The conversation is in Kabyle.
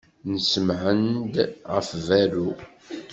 Nsemɛen-d ɣef berru.